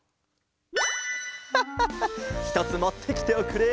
ハッハッハひとつもってきておくれ。